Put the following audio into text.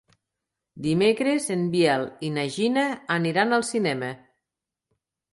Dimecres en Biel i na Gina aniran al cinema.